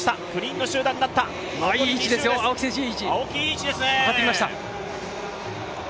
青木選手、いい位置ですよ、上がってきました。